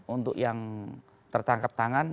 untuk yang tertangkap tangan